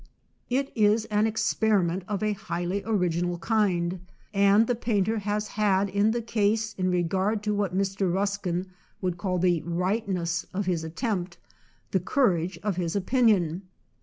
? It is an experiment of a highly original kind, and the painter has had in the case, in regard to what Mr. Ruskin would call the '* Tightness" of his attempt, the courage of his opinion.